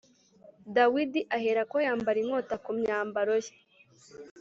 Dawidi aherako yambara inkota ku myambaro ye